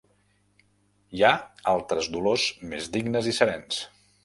Hi ha altres dolors més dignes i serens